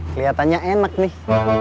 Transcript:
keliatannya enak nih